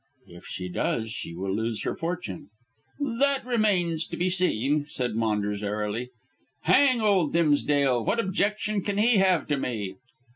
"If she does she will lose her fortune." "That remains to be seen," said Maunders airily. "Hang old Dimsdale, what objection can he have to me?"